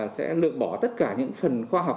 sẽ lượt bỏ tất cả những phần khoa học